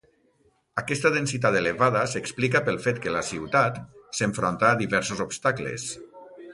Aquesta densitat elevada s'explica pel fet que la ciutat s'enfronta a diversos obstacles.